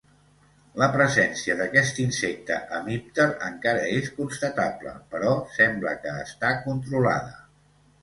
La presència d'aquest insecte hemípter encara és constatable, però sembla que està controlada.